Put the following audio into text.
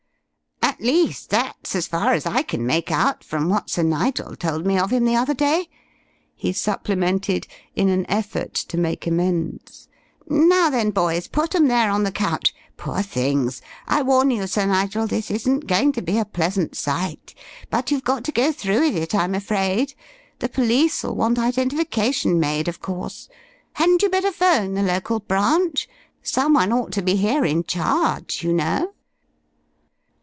"At least that's as far as I can make out from what Sir Nigel told me of him the other day," he supplemented, in an effort to make amends. "Now then, boys, put 'em there on the couch. Poor things! I warn you, Sir Nigel, this isn't going to be a pleasant sight, but you've got to go through with it, I'm afraid. The police'll want identification made, of course. Hadn't you better 'phone the local branch? Someone ought to be here in charge, you know."